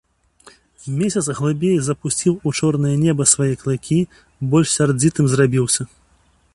Месяц глыбей запусціў у чорнае неба свае клыкі, больш сярдзітым зрабіўся.